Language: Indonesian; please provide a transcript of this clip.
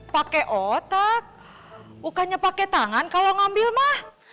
pake otak bukannya pake tangan kalo ngambil mah